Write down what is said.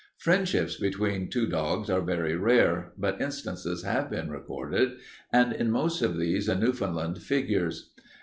"Friendships between two dogs are very rare, but instances have been recorded, and in most of these a Newfoundland figures.